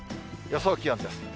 予想気温です。